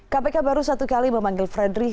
kpk baru satu kali memanggil fredrich